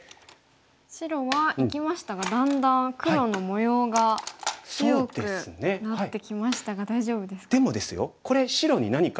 白は生きましたがだんだん黒の模様が強くなってきましたが大丈夫ですか？